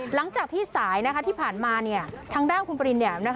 หลังจากที่สายที่ผ่านมาทางด้านคุณปริน